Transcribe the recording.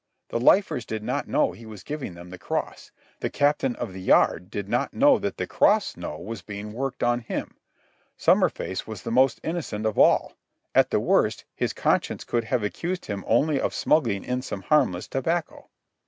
The lifers did not know he was giving them the cross. The Captain of the Yard did not know that the cross was being worked on him. Summerface was the most innocent of all. At the worst, his conscience could have accused him only of smuggling in some harmless tobacco.